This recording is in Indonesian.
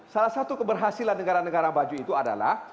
salah satu keberhasilan negara negara maju itu adalah